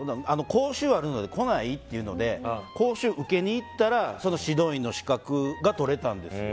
講習あるので来ない？っていうので講習を受けに行ったら指導員の資格がとれたんですよ。